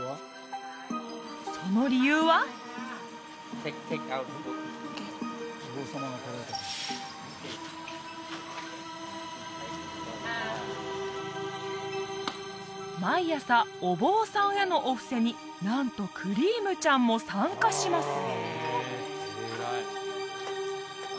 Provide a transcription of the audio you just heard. その理由は毎朝お坊さんへのお布施になんとクリームちゃんも参加します